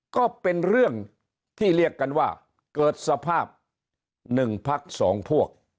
ก็เป็นเรื่องที่เรียกกันว่าเกิดสภาพ๑พัก๒พวก